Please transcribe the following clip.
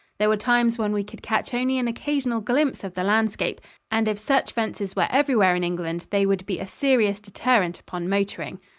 There were times when we could catch only an occasional glimpse of the landscape, and if such fences were everywhere in England they would be a serious deterrent upon motoring.